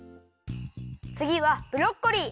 つぎはブロッコリー！